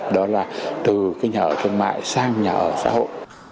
đó là từ cái nhà ở thương mại sang nhà ở xã hội